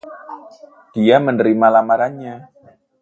Dia menerima lamarannya.